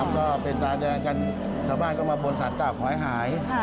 ก็แสดงกันเกั้น้อบบ้านมาบนสารงค์คอ่อยหาย